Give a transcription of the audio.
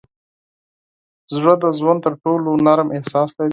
زړه د ژوند تر ټولو نرم احساس لري.